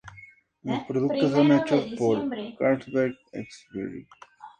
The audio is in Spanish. Los productos son hechos por Carlsberg Sverige.